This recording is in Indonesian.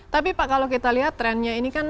tapi pak kalau kita lihat trennya ini kan